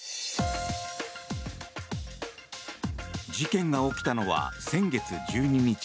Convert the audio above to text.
事件が起きたのは先月１２日。